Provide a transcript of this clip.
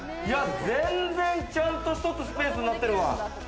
全然ちゃんと、一つスペースになってるわ。